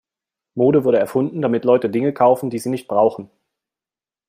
Mode wurde erfunden, damit Leute Dinge kaufen, die sie nicht brauchen.